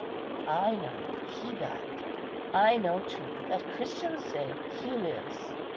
I know He died; I know too that Christians say He lives.